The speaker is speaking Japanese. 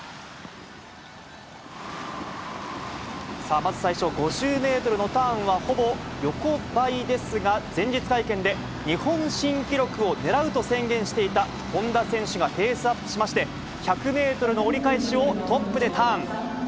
まず最初、５０メートルのターンはほぼ横ばいですが、前日会見で日本新記録を狙うと宣言していた本多選手がペースアップしまして、１００メートルの折り返しをトップでターン。